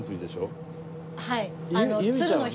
はい。